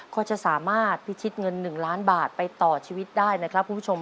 ก็จะสามารถพิชิตเงิน๑ล้านบาทไปต่อชีวิตได้นะครับคุณผู้ชม